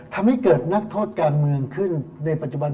ทำให้เกิดนักโทษการเมืองขึ้นในปัจจุบัน